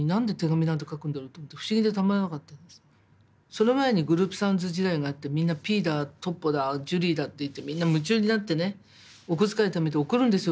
その前にグループサウンズ時代があってみんなピーだトッポだジュリーだっていってみんな夢中になってねお小遣いためて送るんですよ